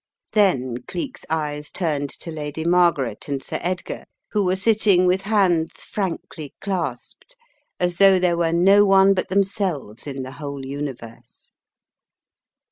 Then Cleek's eyes turned to Lady Margaret and Sir Edgar, who were sitting with hands frankly clasped as though there were no one but themselves in the whole universe.